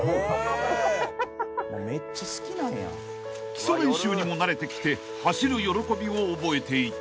［基礎練習にも慣れてきて走る喜びを覚えていった］